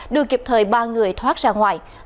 đưa kịp thời ba người thoát ra ngoài